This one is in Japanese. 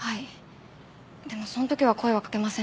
でもその時は声はかけませんでしたけど。